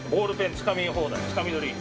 つかみ取り。